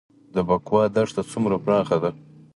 د بکوا دښته څومره پراخه ده؟